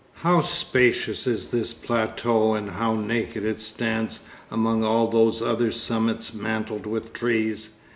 How spacious is this plateau, and how naked it stands among all those other summits mantled with trees.